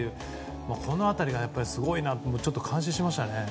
この辺りがすごいなと感心しましたね。